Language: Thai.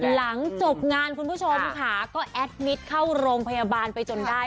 หลังจบงานคุณผู้ชมค่ะก็แอดมิตรเข้าโรงพยาบาลไปจนได้